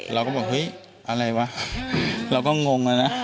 เราก็บอกเฮ้ยอะไรวะเราก็งงอะนะ